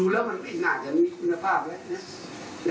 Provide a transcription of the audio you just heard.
ดูแล้วมันไม่หน่าจะมีคุณภาพไปแน่